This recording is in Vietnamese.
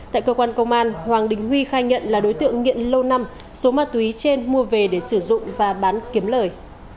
tại cơ quan công an hoàng đình huy khai nhận là đối tượng nghiện lâu năm số ma túy trên mua về để sử dụng và bán kiếm lời